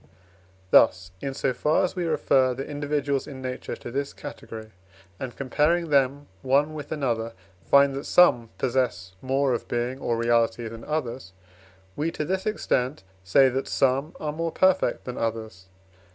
Thus, in so far as we refer the individuals in nature to this category, and comparing them one with another, find that some possess more of being or reality than others, we, to this extent, say that some are more perfect than others.